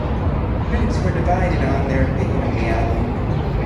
Critics were divided on their opinion of the album.